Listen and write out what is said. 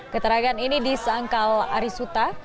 keterangan ini disangkal arisuta